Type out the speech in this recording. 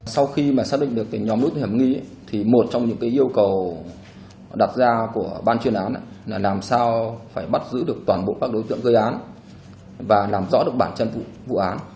sau khi xác định được nhóm đối tượng hầm nghi một trong những yêu cầu đặt ra của ban chuyên án là làm sao phải bắt giữ được toàn bộ các đối tượng gây án và làm rõ được bản chân vụ án